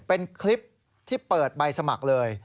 เป็นคลิปที่เปิดใบสมัครเลย